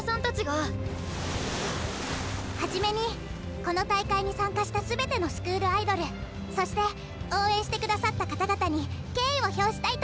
初めにこの大会に参加した全てのスクールアイドルそして応援して下さった方々に敬意を表したいと思います。